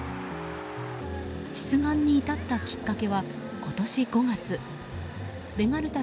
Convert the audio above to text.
出願に至ったきっかけは今年５月ベガルタ